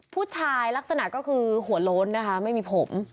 ลักษณะก็คือหัวโล้นนะคะไม่มีผม